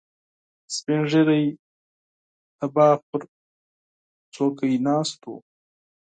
سپین ږیری د باغ پر چوکۍ ناست و.